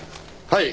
はい。